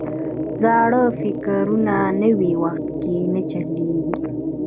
زاړه فکرونه نوي وخت کې نه چلیږي.